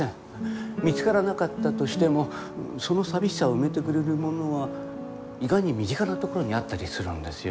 見つからなかったとしてもその寂しさを埋めてくれるものは意外に身近なところにあったりするんですよ。